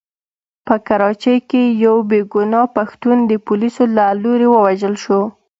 په کراچۍ کې يو بې ګناه پښتون د پوليسو له لوري ووژل شو.